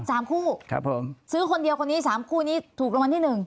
สามคู่ครับผมซื้อคนเดียวคนนี้สามคู่นี้ถูกรางวัลที่หนึ่ง